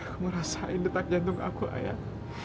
aku rasain detak jantung aku ayah